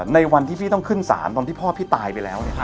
ในวันที่พี่ต้องขึ้นศาลตอนที่พ่อพี่ตายไปแล้ว